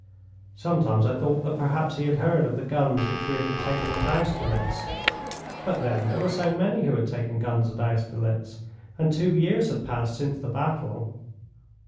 Sometimes I thought that perhaps he had heard of the guns which we had taken at Austerlitz; but, then, there were so many who had taken guns at Austerlitz, and two years had passed since the battle.